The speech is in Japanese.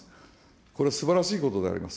これ、すばらしいことであります。